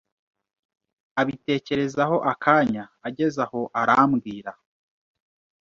Abitekerezaho akanya ageze aho arambwira.